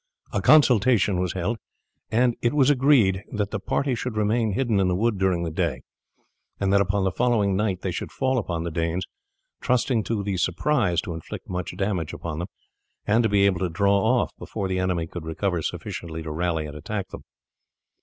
A consultation was held, and it was agreed that the party should remain hidden in the wood during the day, and that upon the following night they should fall upon the Danes, trusting to the surprise to inflict much damage upon them, and to be able to draw off before the enemy could recover sufficiently to rally and attack them.